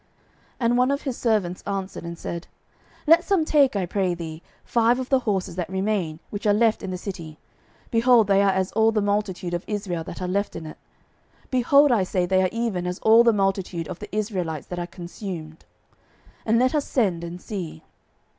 12:007:013 And one of his servants answered and said, Let some take, I pray thee, five of the horses that remain, which are left in the city, (behold, they are as all the multitude of Israel that are left in it: behold, I say, they are even as all the multitude of the Israelites that are consumed:) and let us send and see.